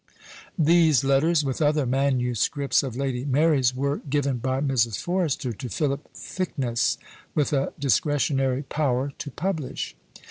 These letters, with other MSS. of Lady Mary's, were given by Mrs. Forrester to Philip Thicknesse, with a discretionary power to publish.